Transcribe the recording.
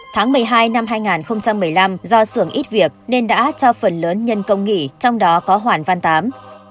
tháng một mươi hai năm hai nghìn một mươi năm do xưởng ít việc nên đã cho phần lớn nhân công nghỉ trong đó có hoàng văn tám